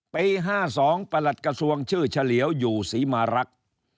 ปี๕๒ประหลัดกระทรวงชื่อเฉลียวอยู่ศรีมารักษ์